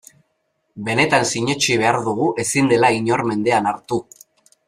Benetan sinetsi behar dugu ezin dela inor mendean hartu.